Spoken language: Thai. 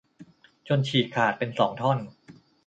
จนฉีกขาดเป็นสองท่อน